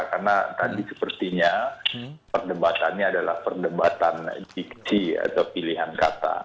karena tadi sepertinya perdebatannya adalah perdebatan diksi atau pilihan kata